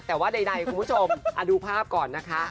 แต่ว่าใดคุณผู้ชมดูภาพก่อนนะคะ